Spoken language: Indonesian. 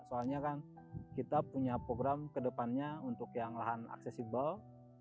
soalnya kan kita punya program kedepannya untuk yang lahan aksesibel